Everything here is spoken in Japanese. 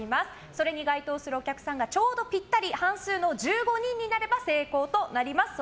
それに該当するお客さんがちょうどぴったり半数の１５人になれば成功となります。